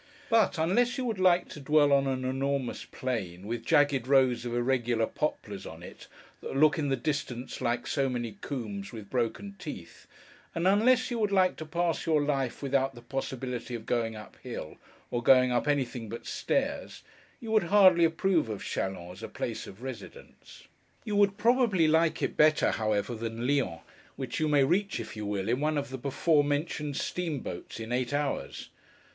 But, unless you would like to dwell on an enormous plain, with jagged rows of irregular poplars on it, that look in the distance like so many combs with broken teeth: and unless you would like to pass your life without the possibility of going up hill, or going up anything but stairs: you would hardly approve of Chalons as a place of residence. You would probably like it better, however, than Lyons: which you may reach, if you will, in one of the before mentioned steamboats, in eight hours.